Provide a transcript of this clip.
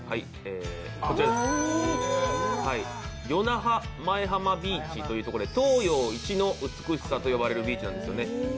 与那覇前浜ビーチというところで東洋一の美しさと言われるビーチなんですね。